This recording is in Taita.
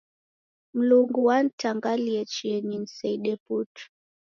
Mlungu wanitangalie chienyi niseide putu.